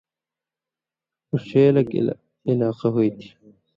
اُو ݜے لک علاقہ ہُوئ تھی